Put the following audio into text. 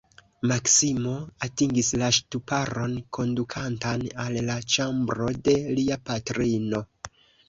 Maksimo atingis la ŝtuparon, kondukantan al la ĉambro de lia patrino.